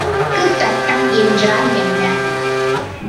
குறுக்குத் தட்டம் என்றால் என்ன?